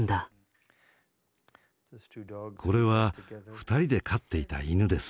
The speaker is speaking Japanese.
これは２人で飼っていた犬です。